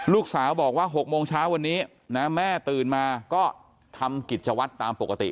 ลูกสาวบอกว่า๖โมงเช้าวันนี้นะแม่ตื่นมาก็ทำกิจวัตรตามปกติ